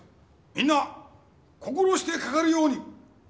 みんな心してかかるように！